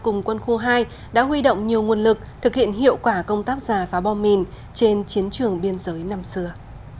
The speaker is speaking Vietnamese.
cùng quân khu hai đã huy động nhiều nguồn lực thực hiện hiệu quả công tác giả phá bom mìn trên chiến trường biên giới năm xưa